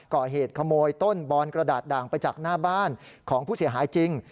ก่อเหตุขโมยต้นบอนกระดาษด่างไปจากหน้าบ้านของผู้เสียหายจริง